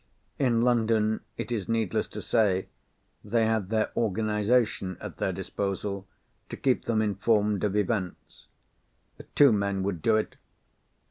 In London, it is needless to say, they had their organisation at their disposal to keep them informed of events. Two men would do it.